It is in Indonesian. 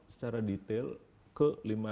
secara detail ke lima ratus empat puluh dua